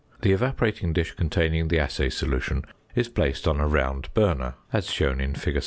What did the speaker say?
The evaporating dish containing the assay solution is placed on a round burner (as shown in fig.